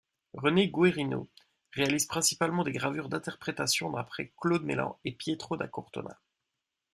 René Guérineau réalise principalement des gravures d'interprétation d'après Claude Mellan et Pietro da Cortona.